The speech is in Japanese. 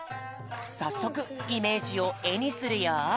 さっそくイメージをえにするよ。